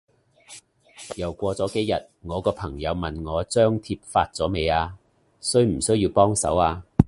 又過咗幾日，我個朋友問我張貼發咗未啊？需唔需要幫手啊？